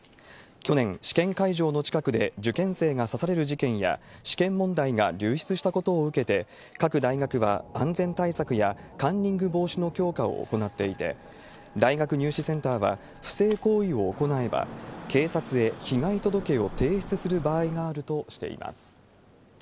去年、試験会場の近くで受験生が刺される事件や、試験問題が流出したことを受けて、各大学は安全対策やカンニング防止の強化を行っていて、大学入試センターは、不正行為を行えば、警察へ被害届を提出する場合があるとしています。